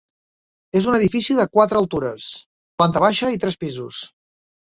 És un edifici de Quatre altures, planta baixa i tres pisos.